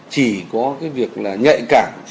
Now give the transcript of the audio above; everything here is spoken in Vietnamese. chỉ có cái việc là nhạy cảm